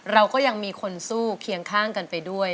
เราก็ยังมีคนสู้เคียงข้างกันไปด้วย